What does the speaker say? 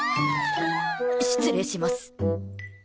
失礼します。